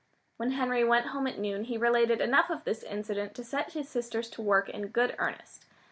When Henry went home at noon he related enough of this incident to set his sisters to work in good earnest.